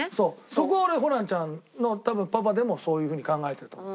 そこは俺ホランちゃんのパパでもそういう風に考えてると思う。